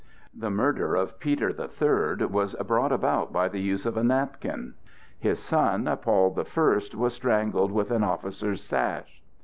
The murder of Peter the Third was brought about by the use of a napkin; his son, Paul the First, was strangled with an officer's sash.